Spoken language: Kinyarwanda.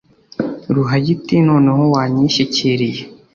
ruhaya iti «noneho wanyishyikiriye,